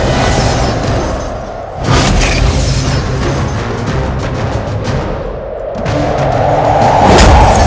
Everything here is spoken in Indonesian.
kamu pergi meninggalkan kami